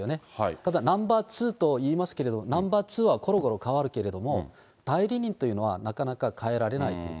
ただ、ナンバー２といいますけれども、ナンバー２はころころ代わるけれども、代理人というのはなかなか代えられないというか。